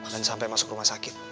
dan sampai masuk rumah sakit